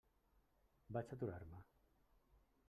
Vaig aturar-me.